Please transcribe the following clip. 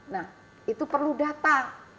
nah itu perlu data